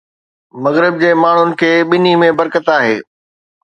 مغرب جي ماڻهن کي ٻنهي ۾ برڪت آهي.